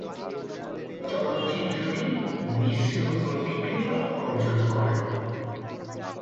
চলচ্চিত্রটি মিশ্র প্রতিক্রিয়া অর্জন করে।